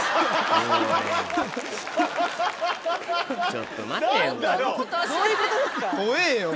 ちょっと待てよ。